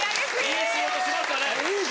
いい仕事しましたね。